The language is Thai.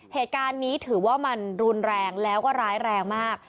เหตุการณ์นี้ถือว่ามันรุนแรงแล้วก็ร้ายแรงมาก